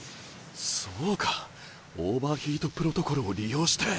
そうかオーバーヒートプロトコルを利用して。